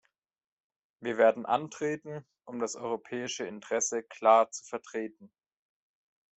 Wir werden antreten, um das europäische Interesse klar zu vertreten.